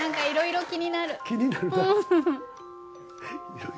いろいろ気になる。